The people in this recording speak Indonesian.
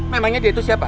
memangnya dia itu siapa